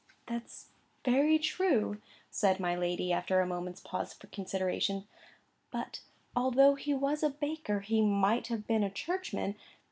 "That's very true," said my lady, after a moment's pause for consideration. "But, although he was a baker, he might have been a Churchman.